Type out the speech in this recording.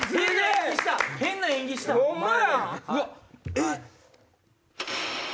えっ？